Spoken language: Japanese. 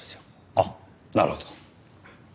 あっなるほど。